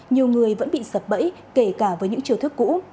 nhiều người vẫn bị sập bẫy kể cả với những chiều thức cũ